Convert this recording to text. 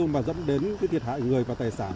mà dẫn đến thiệt hại người và tài sản